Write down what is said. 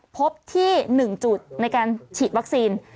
พบที่๑จุดในการฉีดวัคซีน